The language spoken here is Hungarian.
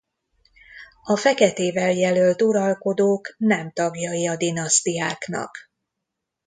A feketével jelölt uralkodók nem tagjai a dinasztiáknak.